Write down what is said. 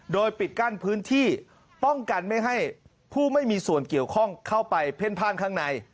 โดยปิดกั้นพื้นที่ป้องกันไม่ให้ผู้ไม่มีส่วนเกี่ยวข้องเข้าไปเพ่นพ่านข้างใน